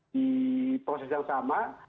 di proses yang sama